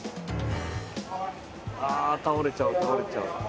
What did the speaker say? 倒れちゃう、倒れちゃう。